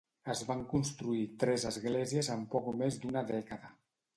Es van construir tres esglésies en poc més d'una dècada.